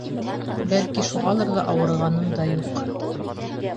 Бәлки, шуғалыр ҙа ауырығаным да юҡ.